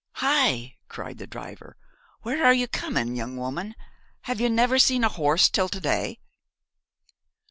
'Hi!' cried the driver, 'where are you coming, young woman? Have you never seen a horse till to day?'